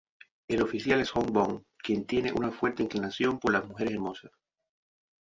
El oficial es Jong Bum, quien tiene una fuerte inclinación por las mujeres hermosas.